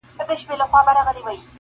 • د وطن پر کروندگرو دهقانانو -